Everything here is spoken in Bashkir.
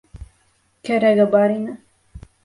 Кәрәге бар ине!